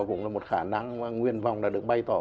cũng là một khả năng mà nguyên vọng đã được bày tỏ